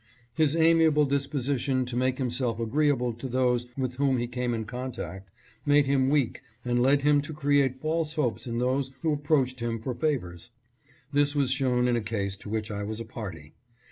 His amiable disposition to make himself agreeable to those with whom he came in contact made him weak and led him to create false hopes in those who approached him for favors. This was shown in a case to which I was a party.